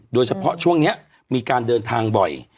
โดยเฉพาะช่วงนี้มีการเดินทางบ่อย